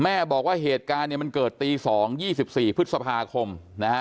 แม่บอกว่าเหตุการณ์เนี่ยมันเกิดตีสองยี่สิบสี่พฤษภาคมนะฮะ